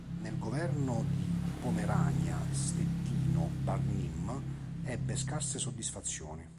Nel governo di Pomerania-Stettino Barnim ebbe scarse soddisfazioni.